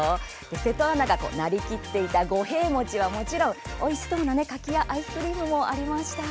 瀬戸アナがなりきっていた五平餅は、もちろんおいしそうな柿やアイスクリームでしたね。